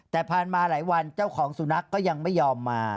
แต่ผ่านมาหลายวันเจ้าของสุนัขก็ยังไม่ยอมมา